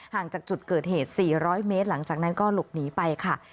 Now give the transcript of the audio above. ห่างจากจุดเกิดเหตุ๔๐๐เมตรหลังจากนั้นก็หลบหนีไปค่ะ